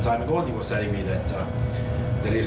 ไทยจะเป็นผู้พูดว่าโรงพยาบาล๒๐๒๒